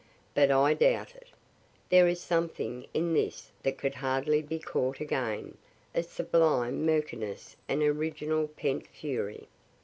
But I doubt it. There is something in this that could hardly be caught again a sublime murkiness and original pent fury.